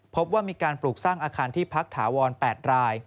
พบว่ามีการปลูกสร้างอาคารที่พักถาวร๘ราย